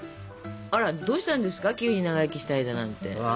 あらどうしたんですか急に長生きしたいだなんて。